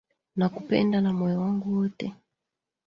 Nakupenda na moyo wangu wote